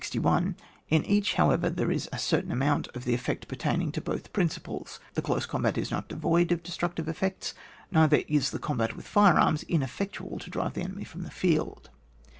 In each, however, there is a cer tain amount of the effect pertaining to both principles. The close combat is not devoid of destructive effects, neither is the combat with fire arms ineffectual to drive the enemy off the field.